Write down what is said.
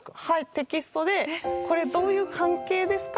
テキストでこれどういう関係ですか？